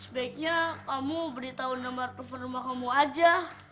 sebaiknya kamu beritahu nama kefer rumah kamu aja